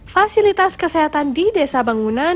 fasilitas kesehatan di desa bangunan